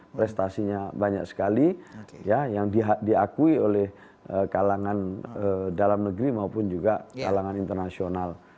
prestasinya banyak sekali yang diakui oleh kalangan dalam negeri maupun juga kalangan internasional